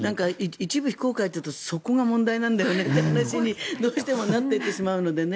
一部非公開というとそこが問題なんだよなという話にどうしてもなってしまうんですよね。